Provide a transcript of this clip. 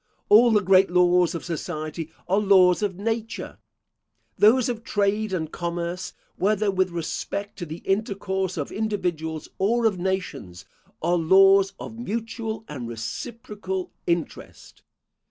All the great laws of society are laws of nature. Those of trade and commerce, whether with respect to the intercourse of individuals or of nations, are laws of mutual and reciprocal interest.